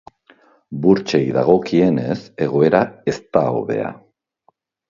Burtsei dagokienez, egoera ez da hobea.